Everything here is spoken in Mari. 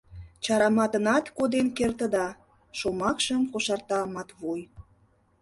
—...чараматынат коден кертыда, — шомакшым кошарта Матвуй.